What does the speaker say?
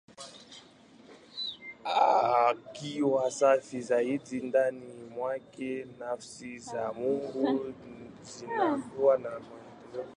Akiwa safi zaidi, ndani mwake Nafsi za Kimungu zinakuwemo na kufanya kazi zaidi.